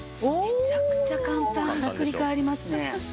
めちゃくちゃ簡単にひっくり返りますね。